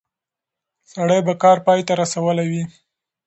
سړی به کار پای ته رسولی وي.